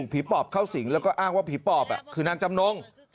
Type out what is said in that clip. ปอบเข้าสิงแล้วก็อ้างว่าผีปอบคือนางจำนง